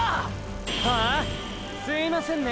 ハア⁉すいませんね！！